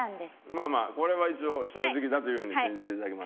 まあまあこれは一応正直だという風に信じていただきます。